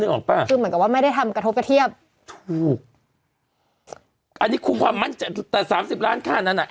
ออกป่ะคือเหมือนกับว่าไม่ได้ทำกระทบกระเทียบถูกอันนี้คุมความมั่นใจแต่สามสิบล้านค่านั้นอ่ะ